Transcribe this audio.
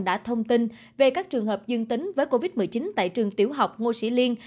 đã thông tin về các trường hợp dương tính với covid một mươi chín tại trường tiểu học ngô sĩ liên